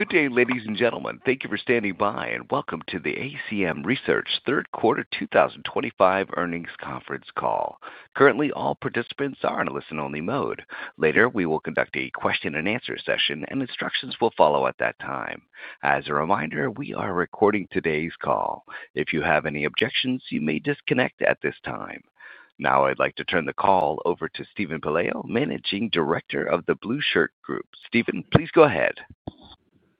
Good day, ladies and gentlemen. Thank you for standing by and welcome to the ACM Research third quarter 2025 earnings conference call. Currently, all participants are in a listen only mode. Later we will conduct a question-and-answer session and instructions will follow at that time. As a reminder, we are recording today's call. If you have any objections, you may disconnect at this time. Now I'd like to turn the call over to Stephen Pelayo, Managing Director of the BlueShirt Group. Stephen, please go ahead.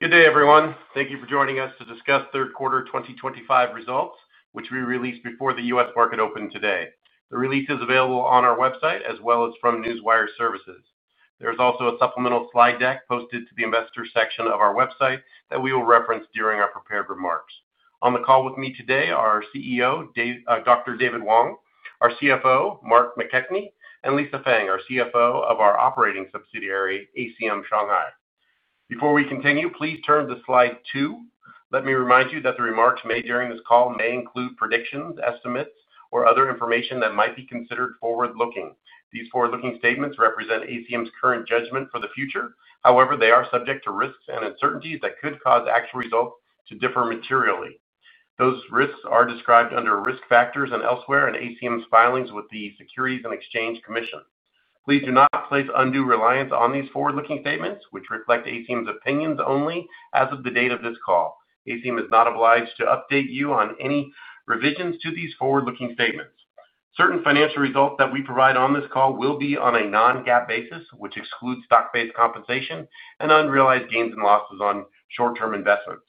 Good day everyone. Thank you for joining us to discuss third quarter 2025 results which we released before the U.S. market opened today. The release is available on our website as well as from newswire services. There is also a supplemental slide deck posted to the Investor section of our website that we will reference during our prepared remarks on the call. With me today, our CEO, Dr. David Wang, our CFO Mark McKechnie, and Lisa Feng, our CFO of our operating subsidiary, ACM Shanghai. Before we continue, please turn to slide 2. Let me remind you that the remarks made during this call may include predictions, estimates, or other information that might be considered forward looking. These forward looking statements represent ACM Research's current judgment for the future. However, they are subject to risks and uncertainties that could cause actual results to differ materially. Those risks are described under Risk Factors and elsewhere in ACM Research's filings with the Securities and Exchange Commission. Please do not place undue reliance on these forward looking statements which reflect ACM Research's opinions only as of the date of this call. ACM Research is not obliged to update you on any revisions to these forward looking statements. Certain financial results that we provide on this call will be on a Non-GAAP basis which excludes stock-based compensation and unrealized gains and losses on short-term investments.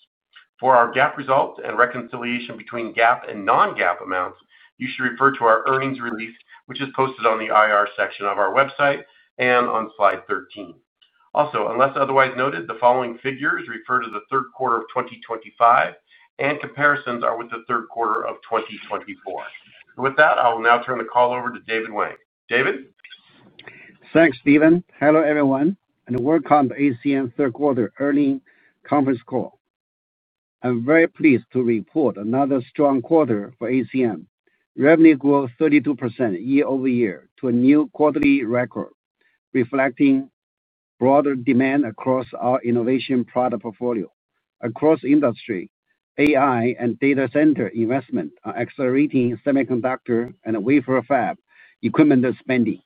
For our GAAP results and reconciliation between GAAP and Non-GAAP amounts, you should refer to our earnings release which is posted on the IR section of our website and on slide 13. Also, unless otherwise noted, the following figures refer to the third quarter of 2025 and comparisons are with the third quarter of 2024. With that, I will now turn the call over to David Wang. David, thanks, Stephen. Hello everyone, and welcome to ACM Research third quarter earning conference call. I'm very pleased to report another strong quarter for ACM Research. Revenue grew 32% year-over-year to a new quarterly record, reflecting broader demand across our innovation product portfolio. Across industry, AI and data center investment are accelerating semiconductor and wafer fab equipment spending.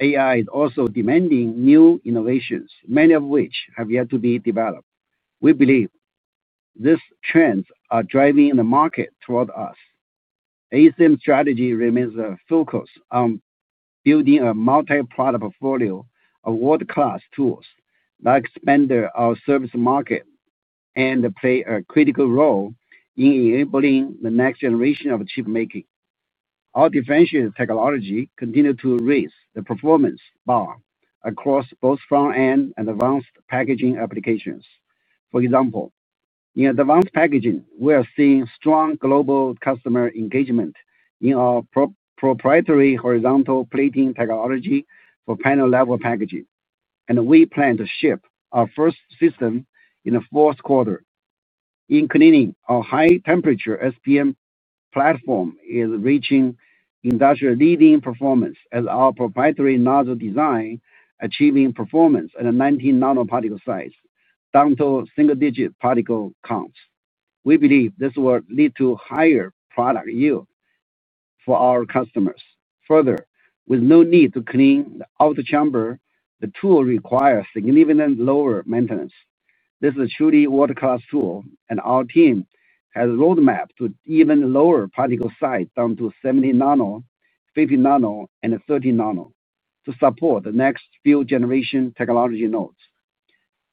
AI is also demanding new innovations, many of which have yet to be developed. We believe these trends are driving the market toward us. ACM Research's strategy remains a focus on building a multi-product portfolio of world-class tools that expand our service market and play a critical role in enabling the next generation of chipmaking. Our differentiated technology continues to raise the performance bar across both front end and advanced packaging applications. For example, in advanced packaging we are seeing strong global customer engagement in our proprietary horizontal plating technology for panel level packaging and we plan to ship our first system in the fourth quarter. In cleaning, our high temperature SPM platform is reaching industry leading performance as our proprietary nozzle design achieving performance at 19 nanoparticle size down to single digit particle counts. We believe this will lead to higher product yield for our customers. Further, with no need to clean the outer chamber, the tool requires significantly lower maintenance. This is a truly world class tool and our team has roadmap to even lower particle size down to 70 nano, 50 nano and 30 nano to support the next few generation technology nodes.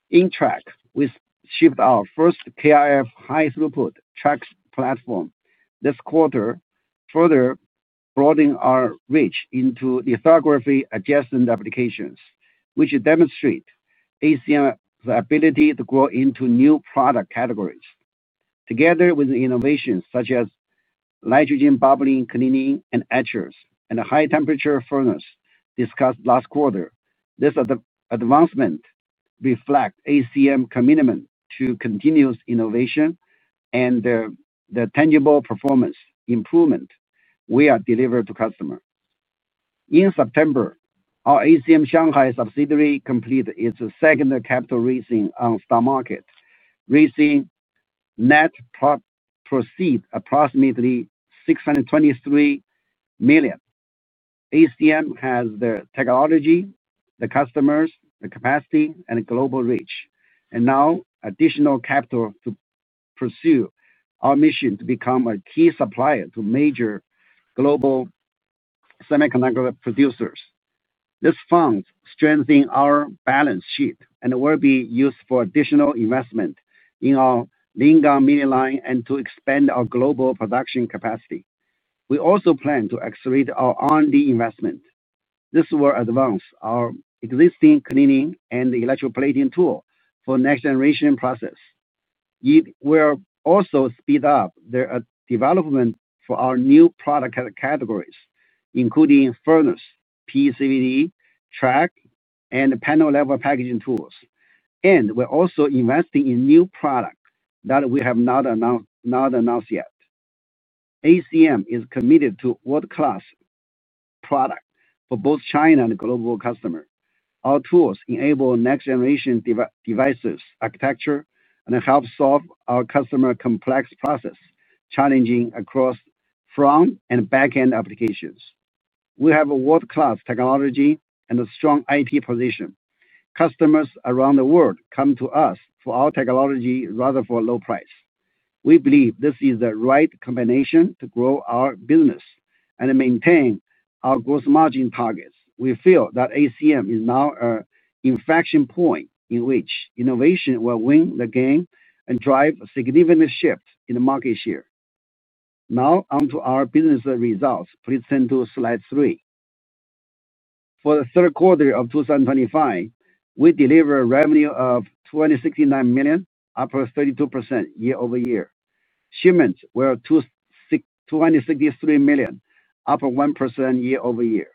In track, we shipped our first KR4 high throughput track platform this quarter, further broaden our reach into lithography adjacent applications which demonstrate ACM the ability to grow into new product categories together with innovations such as nitrogen bubbling cleaning and etchers and a high temperature furnace discussed last quarter. This advancement reflect ACM commitment to continuous innovation and the tangible performance improvement we are delivering to customer. In September, our ACM Shanghai subsidiary completed its second capital raising on stock market raising net proceed approximately $623 million. ACM has the technology, the customers, the capacity and global reach and now additional capital to pursue our mission to become a key supplier to major global semiconductor producers. This fund strengthens our balance sheet and will be used for additional investment in our Lingang Mini line and to expand our global production capacity. We also plan to accelerate our R&D investment. This will advance our existing cleaning and electroplating tool for next generation process. It will also speed up the development for our new product categories including furnace, PCVD track and panel level packaging tools and we're also investing in new products that we have not announced yet. ACM is committed to world class product for both China and global customers. Our tools enable next generation device architecture and help solve our customers' complex process challenges across front and back end applications. We have a world-class technology and a strong IT position. Customers around the world come to us for our technology rather than for low price. We believe this is the right combination to grow our business and maintain our gross margin targets. We feel that ACM is now at an inflection point in which innovation will win the game and drive a significant shift in the market share. Now on to our business results. Please turn to Slide 3. For the third quarter of 2025 we delivered revenue of $269 million, up 32% year-over-year. Shipments were $263 million, up 1% year-over-year.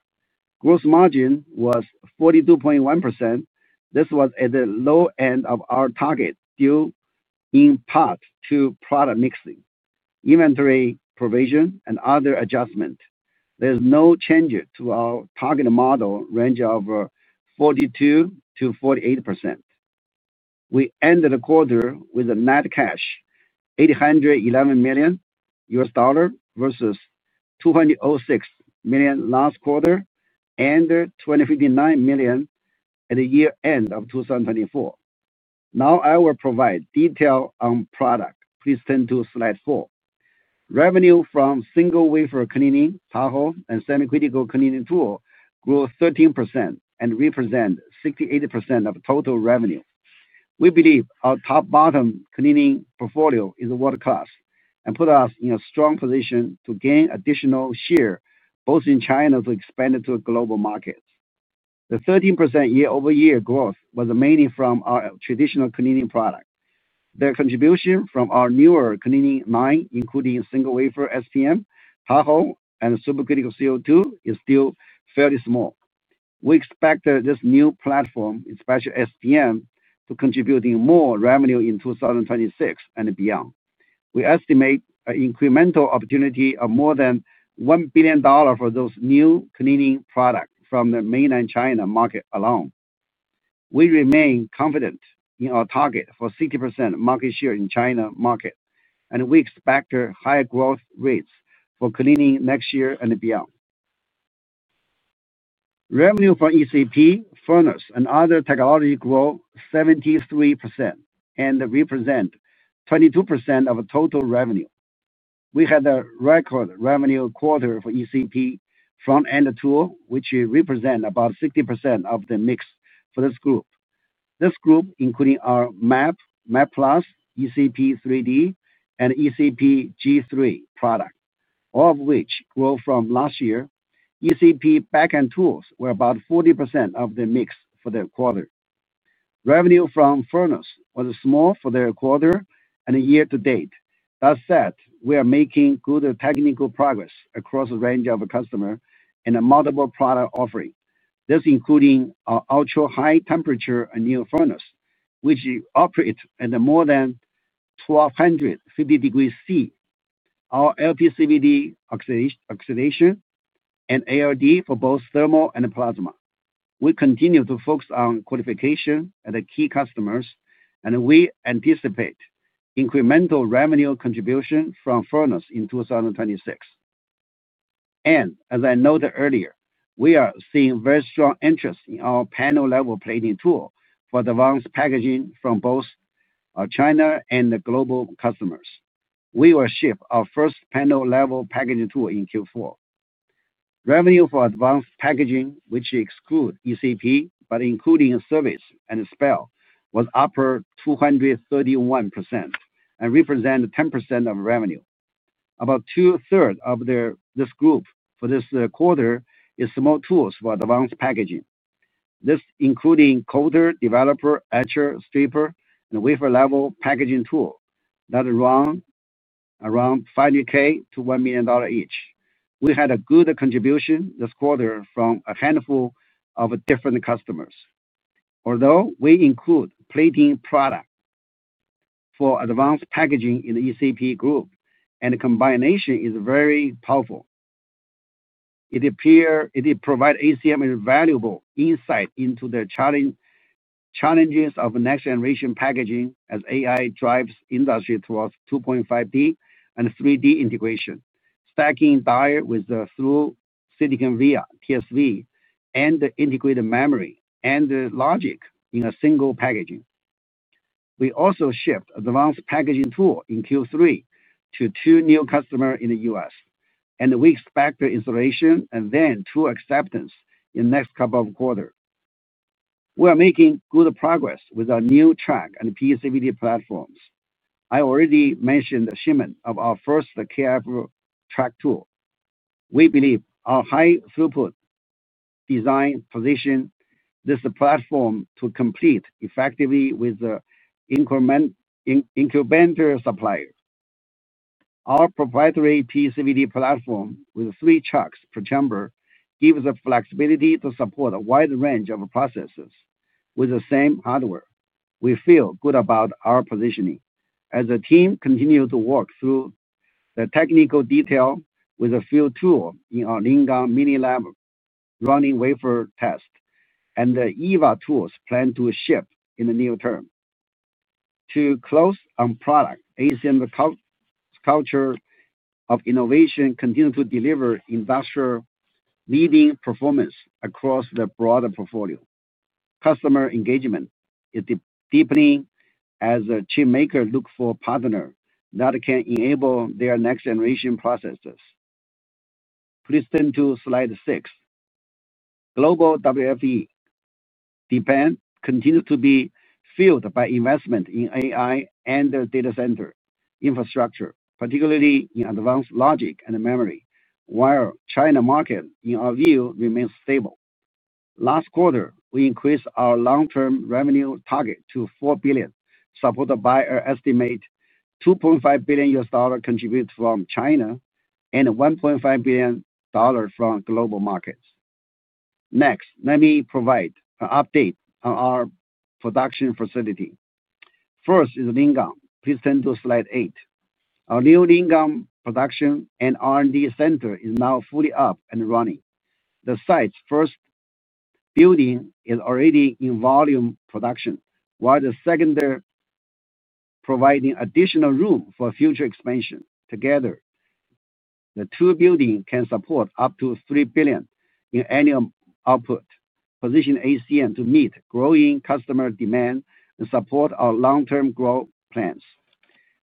Gross margin was 42.1%. This was at the low end of our target due in part to product mix, inventory provision, and other adjustments. There is no change to our target model range of 42%-48%. We ended the quarter with a net cash $811 million versus $206 million last quarter and $2,059 million at the year end of 2024. Now I will provide detail on product. Please turn to slide 4. Revenue from single wafer cleaning, Tahoe, and semi-critical cleaning tool grew 13% and represent 68% of total revenue. We believe our top and bottom cleaning portfolio is world class and put us in a strong position to gain additional share both in China and to expand into a global market. The 13% year-over-year growth was mainly from our traditional cleaning product. The contribution from our newer cleaning line, including single wafer, SPM, Tahoe, and supercritical CO2, is still fairly small. We expect this new platform, especially SPM, to contribute more revenue in 2026 and beyond. We estimate an incremental opportunity of more than $1 billion for those new cleaning products from the mainland China market alone. We remain confident in our target for 60% market share in China market and we expect higher growth rates for cleaning next year and beyond. Revenue for ECP, furnace, and other technology grew 73% and represent 22% of total revenue. We had a record revenue quarter for ECP Front End tool, which represent about 60% of the mix for this group. This group, including our MAPP ECP3D and ECP G3 production, all of which grew from last year. ECP backend tools were about 40% of the mix for the quarter. Revenue from furnace was small for the quarter and year to date. That said, we are making good technical progress across a range of customers and multiple product offerings. This including ultra high temperature anneal furnace which operates at more than 1250 degrees Celsius, our LPCVD oxidation and ALD for both thermal and plasma. We continue to focus on qualification at key customers and we anticipate incremental revenue contribution from furnace in 2026. As I noted earlier, we are seeing very strong interest in our panel level plating tool for advanced packaging from both China and the global customers. We will ship our first panel level packaging tool in Q4. Revenue for advanced packaging, which excludes ECP but including service and spell, was up 231% and represent 10% of revenue. About two-thirds of this group for this quarter is small tools for advanced packaging. This including coder, developer, etcher, stripper, and wafer level packaging tool that run around $500,000-$1,000,000 each. We had a good contribution this quarter from a handful of different customers. Although we include plating product for advanced packaging in the ECP group and the combination is very powerful, it provides ACM invaluable insight into the challenges of next generation packaging as AI drives industry towards 2.5D and 3D integration stacking die with through silicon via TSV and integrated memory and logic in a single packaging. We also shipped advanced packaging tool in Q3 to two new customers in the U.S. and we expect installation and then tool acceptance in next couple of quarters. We are making good progress with our new Track and PCVD platforms. I already mentioned the shipment of our first KR4 Track tool. We believe our high throughput design positions this platform to compete effectively with the incumbent supplier. Our proprietary PCVD platform with three chucks per chamber gives the flexibility to support a wide range of processes with the same hardware. We feel good about our positioning as the team continue to work through the technical detail with a field tool. Our Lingang Mini Lab running wafer test and the EVA tools plan to ship in the near term to close on product. ACM's culture of innovation continue to deliver industrial leading performance across the broader portfolio. Customer engagement is deepening as chip makers look for partner that can enable their next generation processes. Please turn to Slide 6. Global WFE demand continues to be fueled by investment in AI and data center infrastructure particularly in advanced logic and memory. While China market in our view remains stable, last quarter we increased our long term revenue target to $4 billion supported by an estimate $2.5 billion contribute from China and $1.5 billion from global markets. Next let me provide an update on our production facility. First is Lingang. Please turn to Slide 8. Our new Lingang Production and R&D center is now fully up and running. The site's first building is already in volume production while the second is providing additional room for future expansion. Together the two buildings can support up to $3 billion in annual output. Positioning ACM to meet growing customer demand and support our long term growth plans,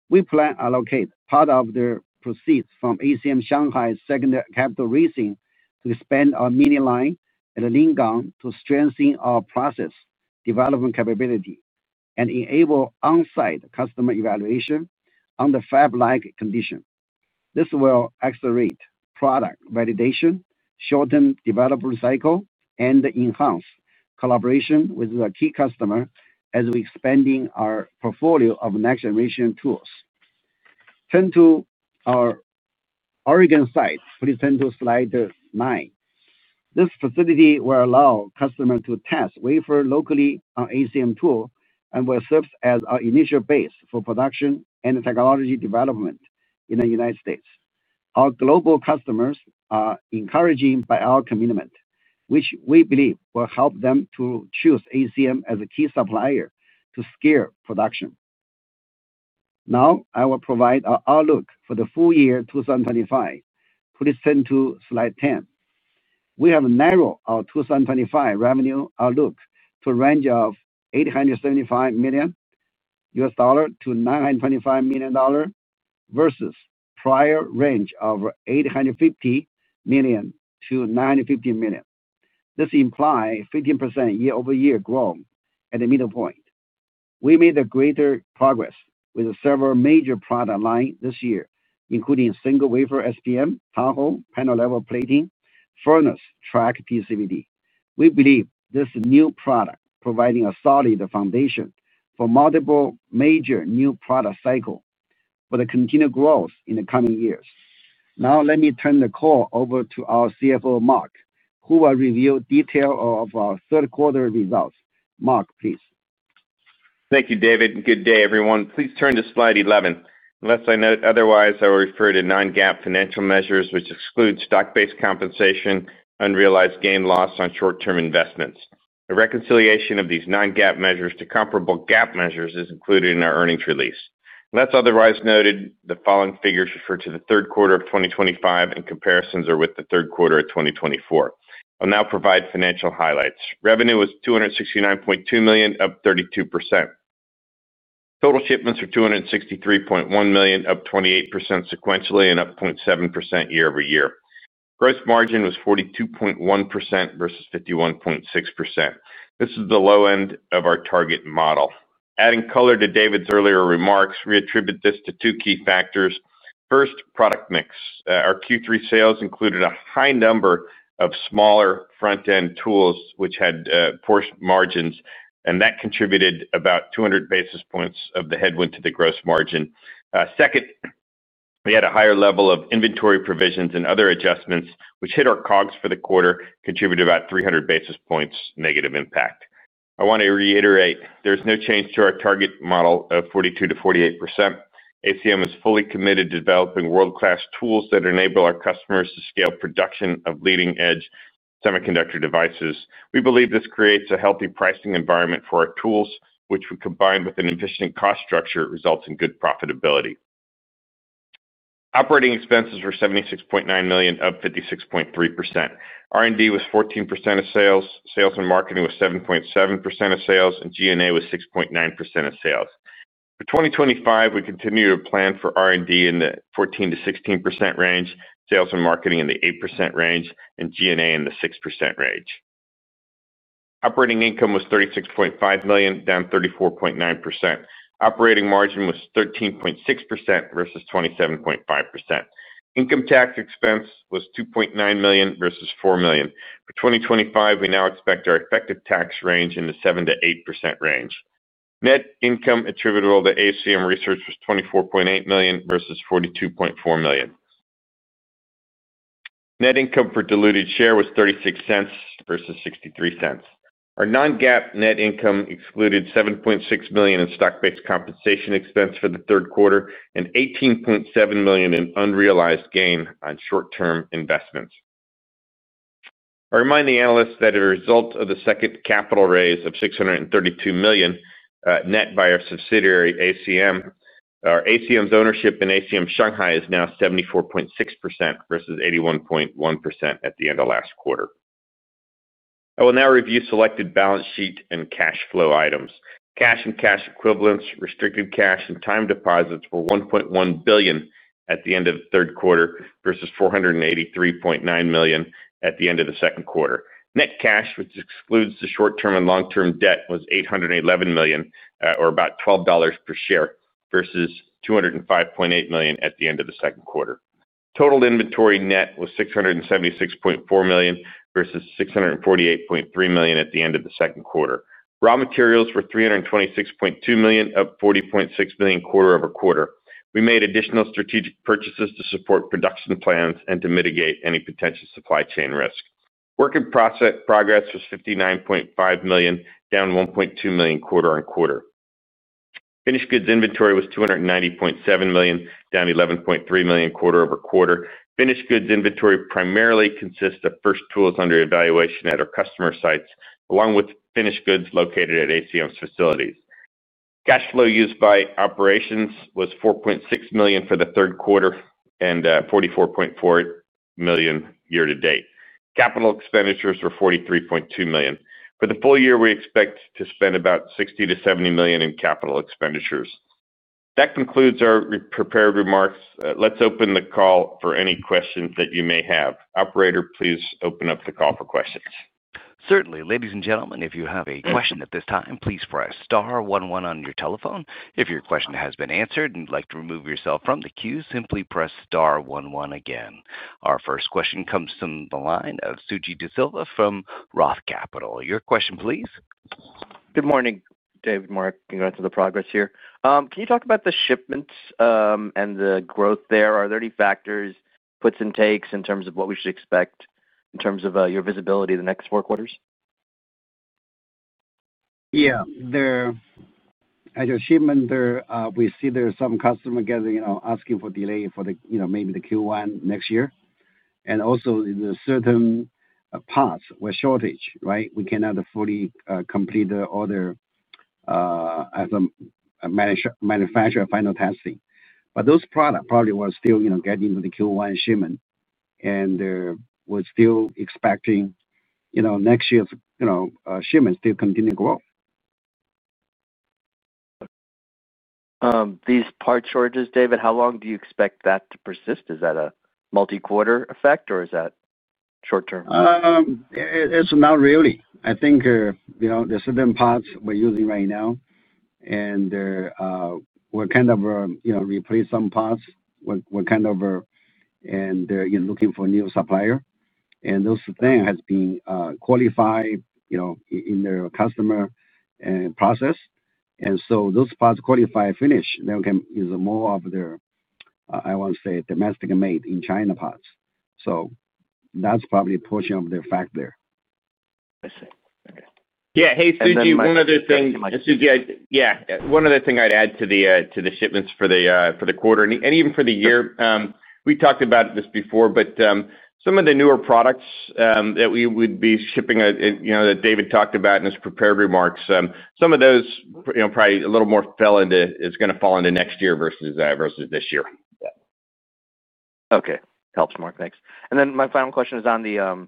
we plan to allocate part of the proceeds from ACM Shanghai's secondary capital raising to expand our MINI line at Lingang to strengthen our process development capability and enable on-site customer evaluation under fab-like conditions. This will accelerate product validation, shorten development cycle, and enhance collaboration with the key customer as we expand our portfolio of next generation tools. Turn to our Oregon site. Please turn to Slide 9. This facility will allow customers to test wafer locally on ACM tool and will serve as our initial base for production and technology development in the United States. Our global customers are encouraged by our commitment which we believe will help them to choose ACM as a key supplier to scale production. Now I will provide our outlook for the full year 2025. Please turn to slide 10. We have narrowed our 2025 revenue outlook to a range of $875 million-$925 million versus prior range of $850 million-$950 million. This implies 15% year-over-year growth. At the middle point, we made greater progress with several major product lines this year including Single Wafer, SPM, Tahoe, Panel Level Plating, Furnace, Track, PCVD. We believe this new product providing a solid foundation for multiple major new product cycle for the continued growth in the coming years. Now let me turn the call over to our CFO Mark who will review detail of our third quarter results. Mark, please. Thank you, David. Good day, everyone. Please turn to slide 11. Unless I note otherwise, I will refer to Non-GAAP financial measures, which exclude stock-based compensation, unrealized gain or loss on short-term investments. A reconciliation of these Non-GAAP measures to comparable GAAP measures is included in our earnings release. Unless otherwise noted, the following figures refer to the third quarter of 2025, and comparisons are with the third quarter of 2024. I'll now provide financial highlights. Revenue was $269.2 million, up 32%. Total shipments are $263.1 million, up 28% sequentially and up 0.7% year-over-year. Gross margin was 42.1% versus 51.6%. This is the low end of our target model. Adding color to David's earlier remarks, we attribute this to two key factors. First, product mix. Our Q3 sales included a high number of smaller front end tools which had poor margins and that contributed about 200 basis points of the headwind to the gross margin. Second, we had a higher level of inventory provisions and other adjustments which hit our COGS for the quarter contributed about 300 basis points. Negative impact. I want to reiterate there's no change to our target model of 42%-48%. ACM is fully committed to developing world class tools that enable our customers to scale production of leading edge semiconductor devices. We believe this creates a healthy pricing environment for our tools which combined with an efficient cost structure results in good profitability. Operating expenses were $76.9 million up 56.3%. Our R&D was 14% of sales. Sales and marketing was 7.7% of sales and GNA was 6.9% of sales for 2025. We continue to plan for R&D in the 14%-16% range, sales and marketing in the 8% range, and G&A in the 6% range. Operating income was $36.5 million, down 34.9%. Operating margin was 13.6% versus 27.5%. Income tax expense was $2.9 million versus $4 million for 2025. We now expect our effective tax range in the 7%-8% range. Net income attributable to ACM Research was $24.8 million versus $42.4 million. Net income per diluted share was $0.36 versus $0.63. Our Non-GAAP net income excluded $7.6 million in stock-based compensation expense for the third quarter and $18.7 million in unrealized gain investments. I remind the analysts that as a result of the second capital raise of $632 million net by our subsidiary ACM, ACM's ownership in ACM Shanghai is now 74.6% versus 81.1% at the end of last quarter. I will now review selected balance sheet and cash flow items. Cash and cash equivalents, restricted cash, and time deposits were $1.1 billion at the end of the third quarter versus $483.9 million at the end of the second quarter. Net cash, which excludes the short term and long term debt, was $811 million or about $12 per share versus $205.8 million at the end of the second quarter. Total inventory net was $676.4 million versus $648.3 million at the end of the second quarter. Raw materials were $326.2 million, up $40.6 million. quarter-over-quarter, we made additional strategic purchases to support production plans and to mitigate any potential supply chain risk. Work in progress was $59.5 million, down $1.2 million quarter on quarter. Finished goods inventory was $290.7 million, down $11.3 million quarter-over-quarter. Finished goods inventory primarily consists of first tools under evaluation at our customer sites along with finished goods located at ACM's facilities. Cash flow used by operations was $4.6 million for the third quarter and $44.4 million year to date. Capital expenditures were $43.2 million for the full year. We expect to spend about $60 million-$70 million in capital expenditures. That concludes our prepared remarks. Let's open the call for any questions that you may have. Operator, please open up the call for questions. Certainly. Ladies and gentlemen, if you have a question at this time, please press star one one on your telephone. If your question has been answered and you'd like to remove yourself from the queue, simply press star one one again. Our first question comes from the line of Suji DeSilva from Roth Capital. Your question, please. Good morning, David. Mark, congrats on the progress here. Can you talk about the shipments and the growth? There are 30 factors, puts and takes in terms of what we should expect in terms of your visibility the next four quarters. Yeah. There is a shipment there. We see there's some customer getting, asking for delay for the, you know, maybe the Q1 next year. And also there's certain parts where shortage. Right. We cannot fully complete the order as a manufacturer final testing. But those products probably were still getting to the Q1 shipment and we're still expecting next year's shipments to continue to grow. These parts shortages, David, how long do you expect that to persist? Is that a multi quarter effect or is that short term? It's not really. I think there's certain parts we're using right now and we're kind of, you know, replace some parts, we're kind of, you know, looking for a new supplier and those things have been qualified, you know, in their customer process. Those parts qualifier finish, they can use more of their, I want to say, domestic made in China parts. That's probably a portion of their fact there. Yeah. Hey Suji, one other thing. Yeah, one other thing I'd add to the shipments for the quarter and even for the year. We talked about this before but some of the newer products that we would be shipping, you know that David talked about in his prepared remarks. Some of those probably a little more fell into is going to fall into next year versus this year. Okay, helps Mark next. And then my final question is on the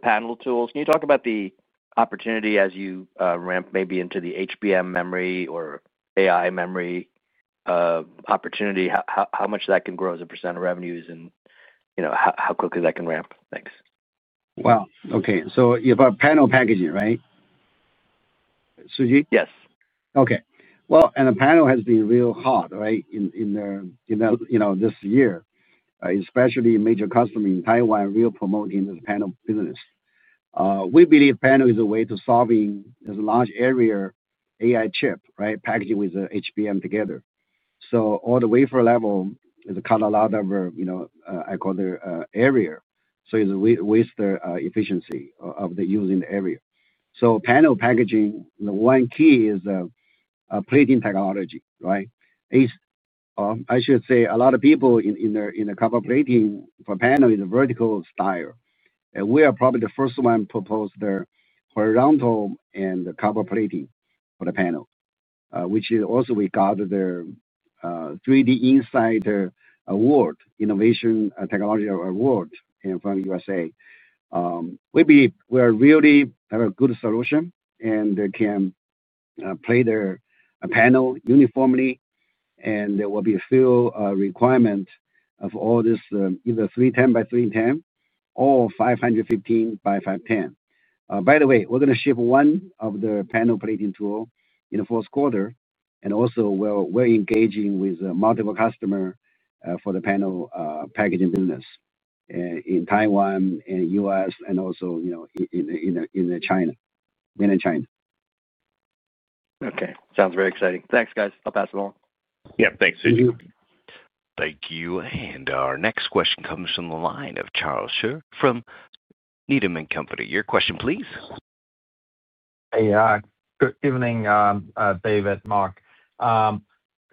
panel tools. Can you talk about the opportunity as you ramp maybe into the HBM memory or AI memory opportunity, how much that can grow as a percent of revenues and you know how quickly that can ramp. Thanks. Wow. Okay, so you have a panel packaging, right Suji? Yes. Okay, the panel has been real hot. Right in there, you know this year especially major customer in Taiwan. We are promoting this panel business. We believe panel is a way to solving as a large area AI chip. Right. Packaging with HBM together. All the wafer level is cut a lot of I call the area. It was the efficiency of the use in the area. Panel packaging, the one key is plating technology. Right. I should say a lot of people in the copper plating for panel in the vertical style, we are probably the first one proposed horizontal. The copper plating for the panel, which is also we got the 3D Insider Award Innovation Technology Award from the U.S.A. We believe we really have a good solution and they can plate their panel uniformly. There will be a few requirements of all this, either 310 by 310 or 515 by 510. By the way, we're going to ship one of the panel plating tool in the fourth quarter. Also, we're engaging with multiple customer for the panel packaging business in Taiwan and U.S. and also in China, mainland China. Okay, sounds very exciting. Thanks guys. I'll pass it along. Yeah, thanks Suji. Thank you. Our next question comes from the line of Charles Shi from Needham & Company. Your question please. Good evening, David. Mark, a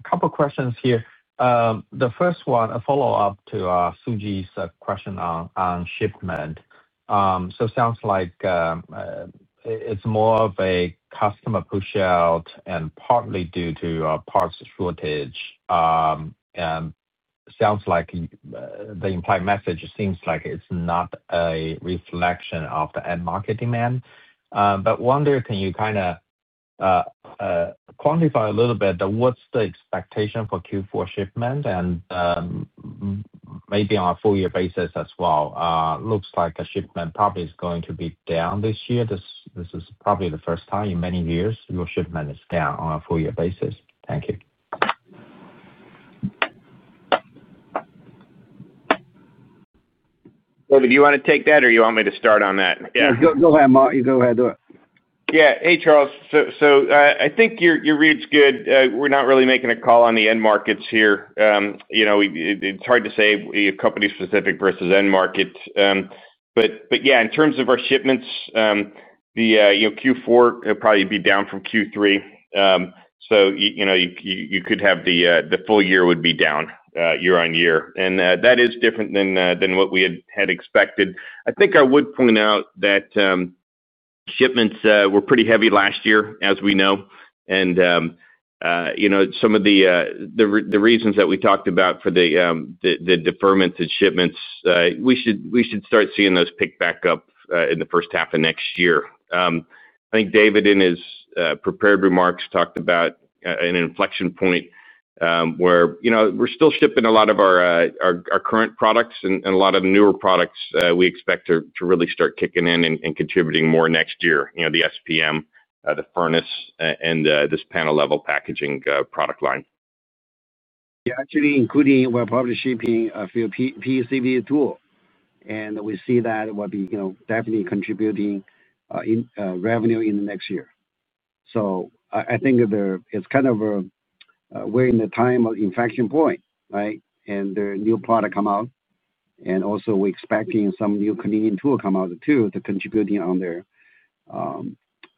couple questions here. The first one, a follow up to Suji's question on shipment. Sounds like it is more of a customer pushout and partly due to parts shortage. Sounds like the implied message seems like it is not a reflection of the end market demand. I wonder, can you kind of quantify a little bit what is the expectation for Q4 shipment and maybe on a full year basis as well. Looks like a shipment probably is going to be down this year. This is probably the first time in many years your shipment is down on a full year basis. Thank you. David, do you want to take that, or? You want me to start on that? Go ahead, Mark. You go ahead. Do it. Yeah. Hey Charles, so I think your read's good. We're not really making a call on the end market. You know, it's hard to say company specific versus end market. Yeah, in terms of our shipments, the Q4 probably be down from Q3. You could have the full year would be down year on year. That is different than what we had expected. I think I would point out that shipments were pretty heavy last year as we know. Some of the reasons that we talked about for the deferments and shipments, we should start seeing those pick back up in the first half of next year. I think David in his prepared remarks talked about an inflection point where we're still shipping a lot of our current products and a lot of newer products. We expect to really start kicking in and contributing more next year. The SPM, the furnace, and this panel level packaging product line. Yeah actually including we're probably shipping a few PCVD tool and we see that will be you know definitely contributing revenue in the next year. I think there it's kind of we're in the time of inflection point. Right. The new product come out and also we're expecting some new cleaning tool come out too to contributing on their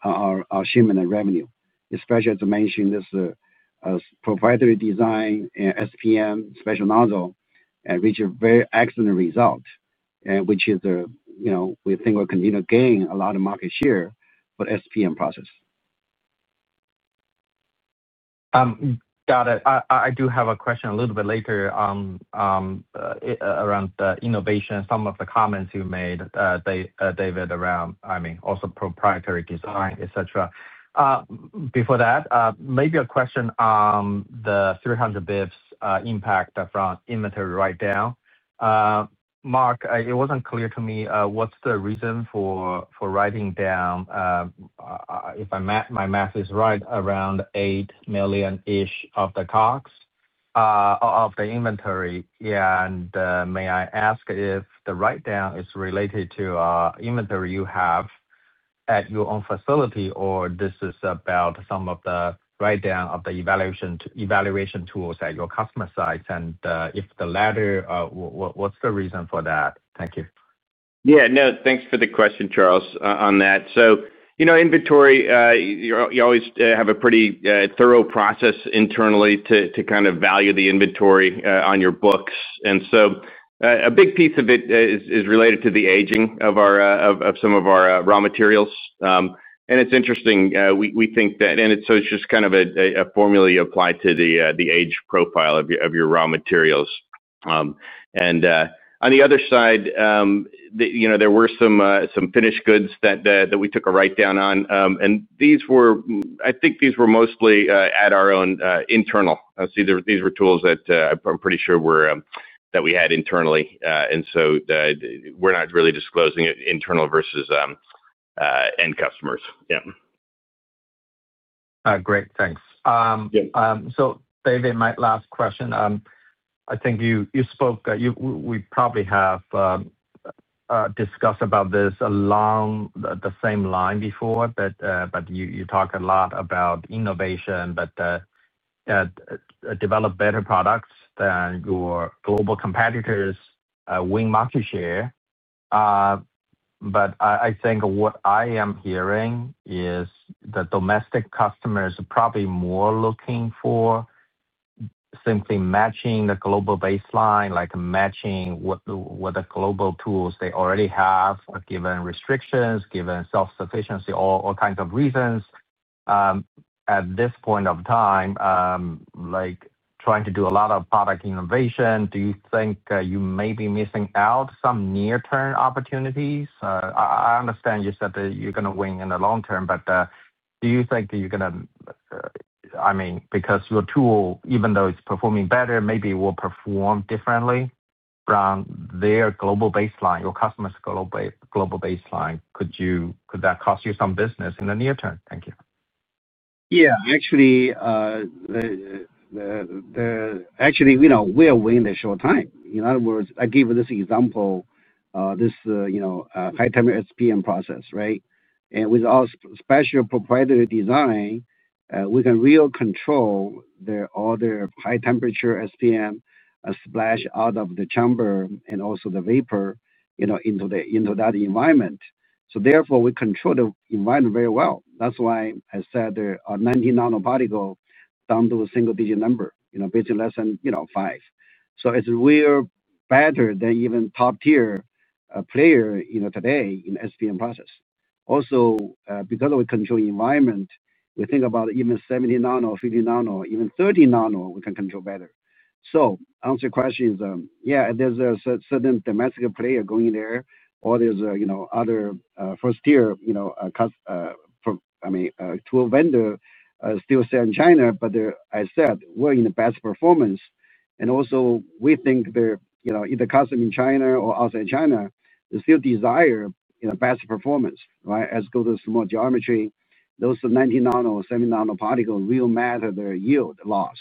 our shipment and revenue. Especially as I mentioned this proprietary design SPM special nozzle and reach a very excellent result which is you know we think we're continuing to gain a lot of market share for SPM process. Got it. I do have a question a little bit later around innovation. Some of the comments you made, David, around, I mean, also proprietary design, et cetera. Before that, maybe a question on the 300 basis points impact from inventory write down, Mark. It was not clear to me, what is the reason for writing down, if my math is right, around $8 million of the COGS of the inventory, and may I ask if the write down is related to inventory you have at your own facility, or this is about some of the write down of the evaluation tools at your customer sites, and if the latter, what is the reason for that? Thank you. Yeah, no thanks for the question Charles on that. You know, inventory, you always have a pretty thorough process internally to kind of value the inventory on your books. A big piece of it is related to the aging of some of our raw materials. It's interesting, we think that. It's just kind of a formula you apply to the age profile of your raw materials. On the other side, you know, there were some finished goods that we took a write down on and these were, I think these were mostly at our own internal. These were tools that I'm pretty sure were that we had internally. We're not really disclosing it internal versus end customers. Great, thanks. David, my last question, I think you spoke, we probably have discussed about this along the same line before, but you talk a lot about innovation, but develop better products than your global competitors, win market share. I think what I am hearing is the domestic customers are probably more looking for simply matching the global baseline, like matching what the global tools they already have, given restrictions, given self sufficiency, all kinds of reasons at this point of time, like trying to do a lot of product innovation. Do you think you may be missing out some near term opportunities? I understand you said that you're going to win in the long term, but do you think that you're going to, I mean, because your tool, even though it's performing better, maybe will perform differently from their global baseline, your customers' global baseline. Could you, could that cost you some business in the near term? Thank you. Yeah, actually, you know, we are waiting a short time. In other words, I gave this example, this, you know, high temperature SPM process, right? And with our special proprietary design, we can really control the order high temperature SPM splash out of the chamber and also the vapor into that environment. Therefore, we control the environment very well. That's why I said 19 nanoparticle down to a single digit number, you know, basically less than, you know, five. So it's really better than even top tier player, you know, today in SPM process. Also, because we control environment, we think about even 70 nano, 50 nano, even 30 nano we can control better. To answer your question, yeah, there's a certain domestic player going there or there's other first tier tool vendor still selling China. I said we're in the best performance. We think either customer in China or outside China, they still desire best performance as go to small geometry. Those 19 nano semi nanoparticles really matter, their yield loss.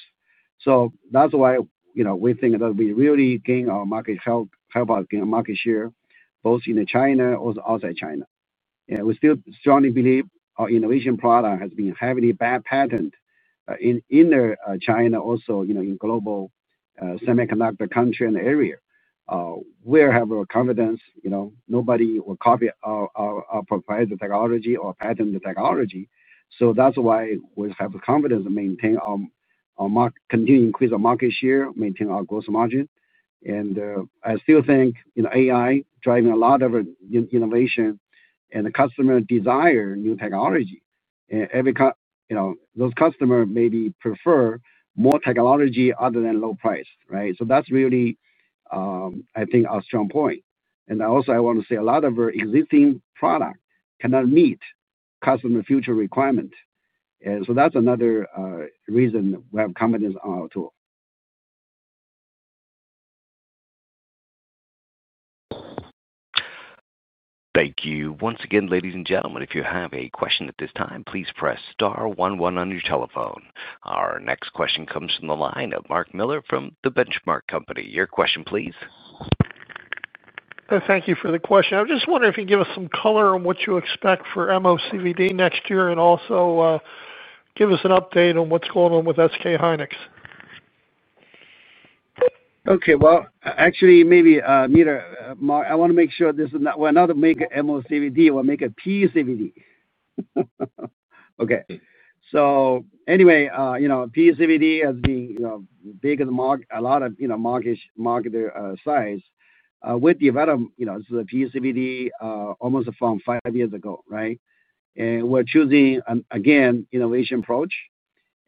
That is why we think that we really gain our market, help us gain market share. Both in China, also outside China, we still strongly believe our innovation product has been heavily bad patent in China. Also, you know, in global semiconductor country and area, we have our confidence, you know, nobody will copy the technology or patent the technology. That is why we have the confidence to maintain, continue increase our market share, maintain our gross margin. I still think AI driving a lot of innovation and the customer desire new technology. Those customers maybe prefer more technology other than low price. That is really, I think, a strong point. I want to say a lot of our existing product cannot meet customer future requirement. That is another reason we have confidence on our tool. Thank you once again, ladies and gentlemen. If you have a question at this time, please press star one one on your telephone. Our next question comes from the line of Mark Miller from The Benchmark Company. Your question, please. Thank you for the question. I just wonder if you can give us some color on what you expect for MOCVD next year and also give us an update on what's going on with SK Hynix. Okay, actually maybe I want to make sure this is not. We're not make MOCVD, we make a PCVD. Okay. Anyway, you know, PCVD has been, you know, bigger than a lot of, you know, market size with the veto. You know, this is a PCVD almost from five years ago. Right. And we're choosing again innovation approach.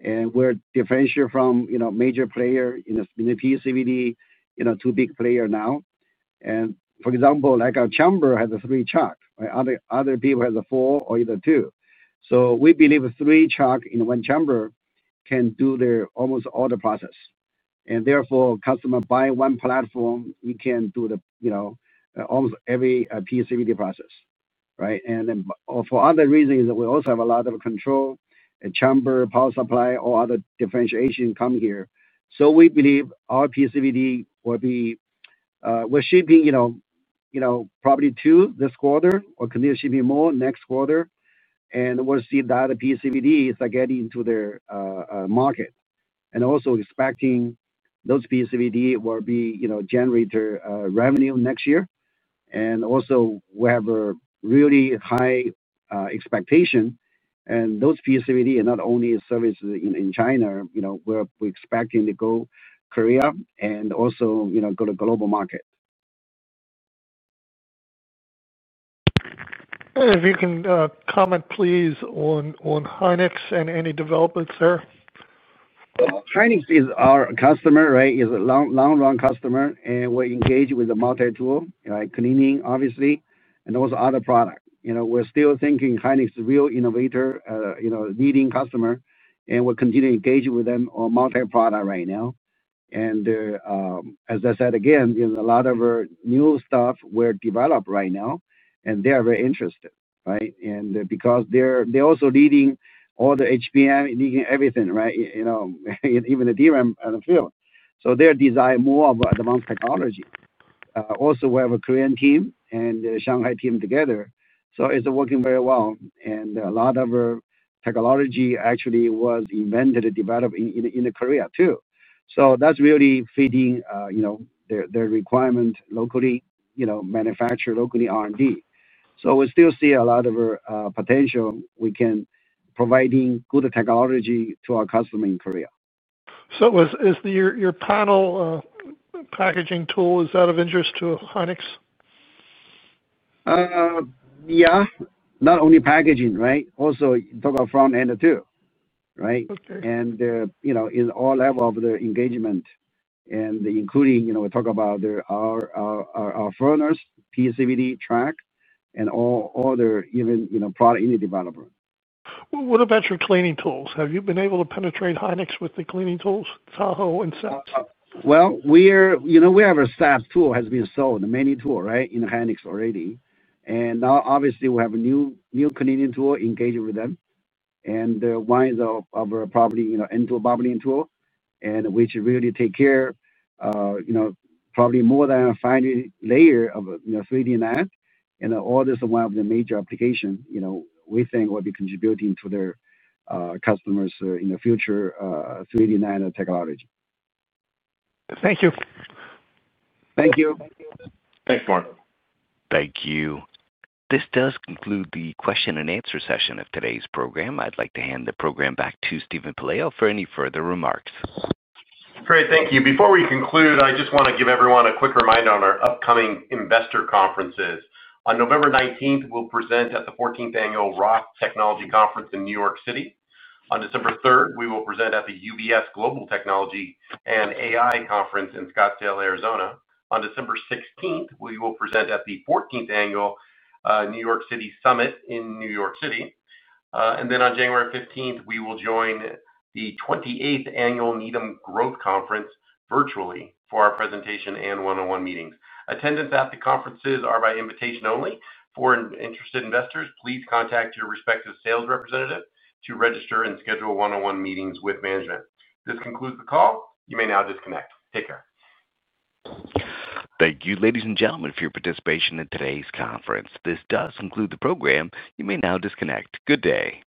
And we're differential from major player in a mini PCVD. You know, two big players now. For example, like our chamber has a three chuck. Other people have a four or either two. We believe three chucks in one chamber can do almost all the process and therefore customers buy one platform. We can do, you know, almost every PCVD process. Right. For other reasons, we also have a lot of control chambers, power supply, or other differentiation come here. We believe our PCVD will be—we're shipping, you know, probably two this quarter or commissioning more next quarter. We will see that the PCVD starts getting into the market. We are also expecting those PCVD will generate revenue next year. We have a really high expectation. Those PCVD are not only servicing in China. We are expecting to go to Korea and also go to the global market. If you can comment, please, on Hynix and any developments there. Hynix is our customer, right? Is a long-run customer. We're engaged with the multi tool cleaning obviously and also other products. You know, we're still thinking Trinix is real innovator, you know, leading customer. We're continuing to engage with them on multi product right now. As I said again, a lot of our new stuff were developed right now and they are very interested. Right. Because they're also leading all the HBM everything, right. Even the DRAM field. They're design more of advanced technology. Also, we have a Korean team and Shanghai team together. It's working very well. A lot of technology actually was invented and developed in Korea too. That's really feeding their requirement. Locally manufactured, locally R&D. We still see a lot of potential we can providing good technology to our customer in Korea. Is your panel packaging tool, is that of interest to Hynix? Yeah, not only packaging, right. Also talk about front end too, right. And you know, in all level of their engagement and including, you know, we talk about our furnace, PCVD track, and all other even, you know, product in the developer. What about your cleaning tools? Have you been able to penetrate Hynix with the cleaning tools? Tahoe and SAPS. Well, we're, you know, we have a SAPS tool, has been sold, many tool, right, in Hynix already, and now obviously we have a new cleaning tool engaged with them, and the lines of our property, you know, into a bevel cleaning tool, and we should really take care of probably more than a finer layer of 3D NAND, and all this is one of the major applications we think will be contributing to their customers in the future. 3D nano technology. Thank you. Thank you. Thanks Mark. Thank you. This does conclude the question-and-answer session of today's program. I'd like to hand the program back to Stephen Pelayo for any further remarks. Great. Thank you. Before we conclude, I just want to give everyone a quick reminder on our upcoming investor conferences. On November 19, we'll present at the 14th Annual ROTH Technology Conference in New York City. On December 3, we will present at the UBS Global Technology and AI Conference in Scottsdale, Arizona. On December 16, we will present at the 14th Annual New York City Summit in New York City. On January 15th, we will join the 28th Annual Needham Growth Conference virtually for our presentation and one on one meetings. Attendance at the conferences is by invitation only for interested investors. Please contact your respective sales representative to register and schedule one on one meetings with management. This concludes the call. You may now disconnect. Take care. Thank you ladies and gentlemen for your participation in today's conference. This does conclude the program. You may now disconnect. Good day.